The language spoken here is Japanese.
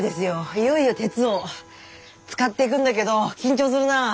いよいよ鉄を使っていくんだけど緊張するな。